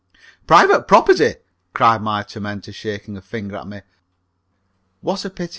"Private property!" cried my tormentor, shaking a finger at me. "What a pity!"